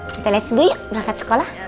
kita let's go yuk berangkat sekolah